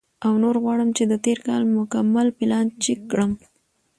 او نور غواړم چې د تېر کال مکمل پلان چیک کړم،